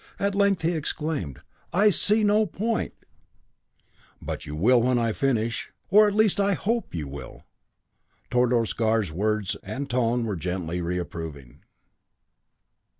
At length he exclaimed: "I see no point " "But you will when I finish or, at least, I hope you will." Tordos Gar's words and tone were gently reproving.